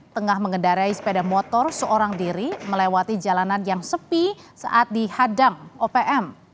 tengah mengendarai sepeda motor seorang diri melewati jalanan yang sepi saat dihadang opm